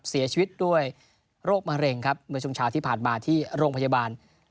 เสียชีวิตด้วยโรคมะเร็งครับเมื่อช่วงเช้าที่ผ่านมาที่โรงพยาบาล